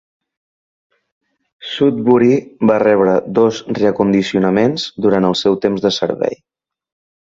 "Sudbury" va rebre dos reacondicionaments durant el seu temps de servei.